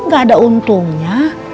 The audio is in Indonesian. gak ada untuknya